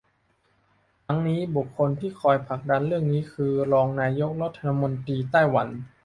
ทั้งนี้บุคคลที่คอยผลักดันเรื่องนี้คือรองนายกรัฐมนตรีไต้หวัน